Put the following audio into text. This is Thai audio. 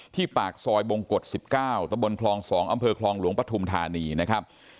ที่ปากซอยบกฏ๑๙ตคลอง๒อคลองหลวงปฐุมธานีนะครับ